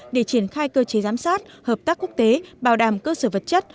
để triển khai cơ chế giám sát hợp tác quốc tế bảo đảm cơ sở vật chất